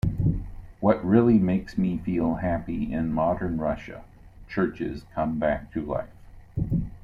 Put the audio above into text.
What really makes me feel happy in modern Russia-churches come back to life.